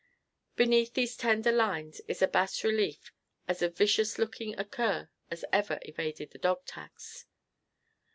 Beneath these tender lines is a bas relief of as vicious looking a cur as ever evaded the dog tax.